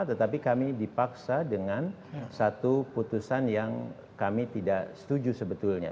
tetapi kami dipaksa dengan satu putusan yang kami tidak setuju sebetulnya